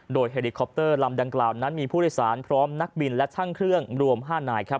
โดยเฮลิคอปเตอร์ลำดังกล่าวนั้นมีผู้โดยสารพร้อมนักบินและช่างเครื่องรวม๕นายครับ